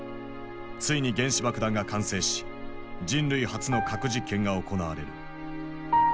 ついに原子爆弾が完成し人類初の核実験が行われる。